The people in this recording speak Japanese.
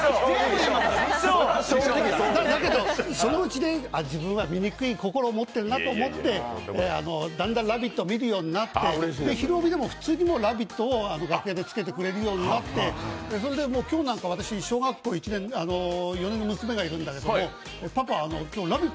だけど、そのうち自分は醜い心を持っているなと思ってだんだん「ラヴィット！」を見るようになって、普通に「ラヴィット！」を楽屋でつけてくれるようになって、それで今日なんか私、小学校４年の娘がいるんだけどパパ、今日「ラヴィット！」